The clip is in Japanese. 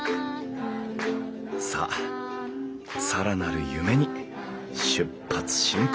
さあ更なる夢に出発進行！